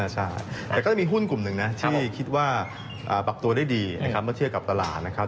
ใช่แต่ก็จะมีหุ้นกลุ่มหนึ่งที่คิดว่าปรับตัวได้ดีเพื่อเชื่อกับตลาด